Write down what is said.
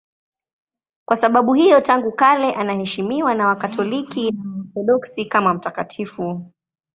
Kwa sababu hiyo tangu kale anaheshimiwa na Wakatoliki na Waorthodoksi kama mtakatifu.